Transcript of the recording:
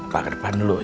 pak ke depan dulu ya